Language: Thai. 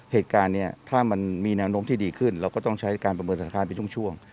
เหตุการณ์เนี่ยถ้ามันมีแนวโน้มที่ดีขึ้นเราก็ต้องใช้การประเมินสถานการณ์เป็นช่วง